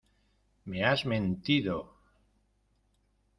¡ me has mentido!